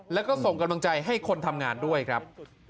แล้วก็ส่งกำลังใจให้คนทำงานด้วยครับ